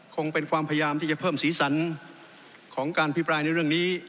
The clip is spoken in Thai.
คงเป็นความพยายามที่จะเพิ่มสีสันของการพิปรายในเรื่องนี้